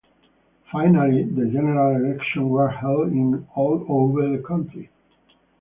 Finally, the general elections were held in all over the country.